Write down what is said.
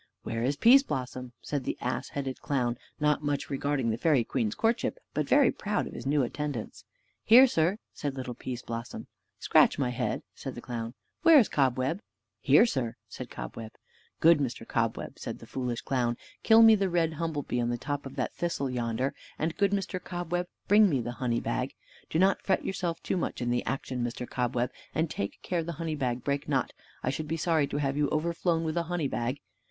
"Where is Pease blossom?" said the ass headed clown, not much regarding the fairy queen's courtship, but very proud of his new attendants. "Here, sir," said little Pease blossom. "Scratch my head," said the clown. "Where is Cobweb?" "Here, sir," said Cobweb. "Good Mr. Cobweb," said the foolish clown, "kill me the red humblebee on the top of that thistle yonder; and, good Mr. Cobweb, bring me the honey bag. Do not fret yourself too much in the action, Mr. Cobweb, and take care the honey bag break not; I should be sorry to have you overflown with a honey bag.